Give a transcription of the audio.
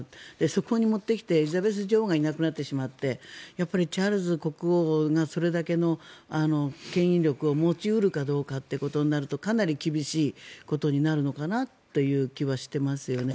そこにもってきてエリザベス女王がいなくなってしまってやっぱりチャールズ国王がそれだけのけん引力を持ち得るかということになるとかなり厳しいことになるのかなという気はしてますよね。